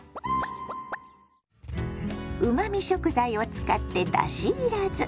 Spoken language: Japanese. うまみ食材を使ってだしいらず。